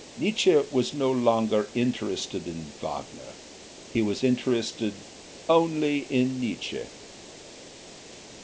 Nietzsche was no longer interested in Wagner he was interested only in Nietzsche.